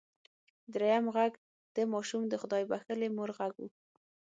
دريم غږ د ماشوم د خدای بښلې مور غږ و.